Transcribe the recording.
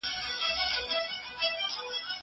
دا پاکوالي له هغه منظمه ده!!